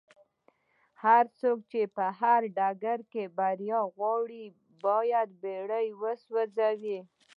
هرڅوک چې په هر ډګر کې بريا غواړي بايد بېړۍ وسوځوي.